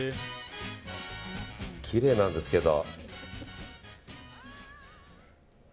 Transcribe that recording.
きれいなんですけど。